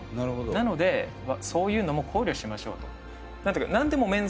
なのでそういうのも考慮しましょうと。